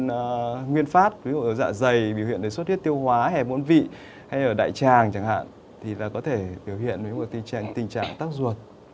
và nguyên phát ví dụ ở dạ dày biểu hiện suất huyết tiêu hóa hẹp muộn vị hay ở đại tràng chẳng hạn thì là có thể biểu hiện tình trạng tắc ruột